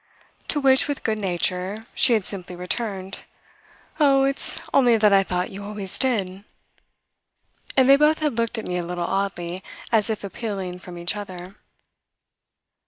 To which, with good nature, she had simply returned: "Oh, it's only that I thought you always did!" And they both had looked at me a little oddly, as if appealing from each other.